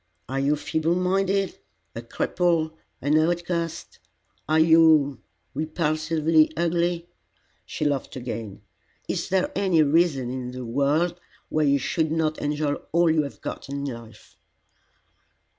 Are you feeble minded, a cripple, an outcast? Are you repulsively ugly?" She laughed again. "Is there any reason in the world why you should not enjoy all you have got in life?"